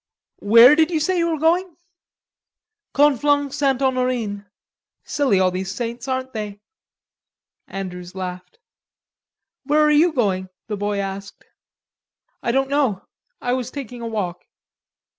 "Where did you say you were going?" "Conflans Ste. Honorine. Silly all these saints, aren't they?" Andrews laughed. "Where are you going?" the boy asked. "I don't know. I was taking a walk."